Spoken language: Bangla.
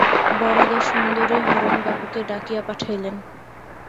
বরদাসুন্দরী হারানবাবুকে ডাকিয়া পাঠাইলেন।